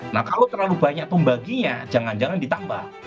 nah kalau terlalu banyak pembaginya jangan jangan ditambah